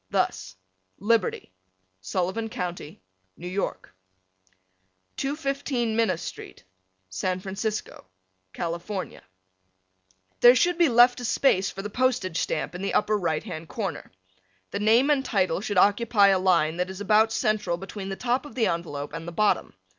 Thus, Liberty, Sullivan County, New York. 215 Minna St., San Francisco, California. There should be left a space for the postage stamp in the upper right hand corner. The name and title should occupy a line that is about central between the top of the envelope and the bottom.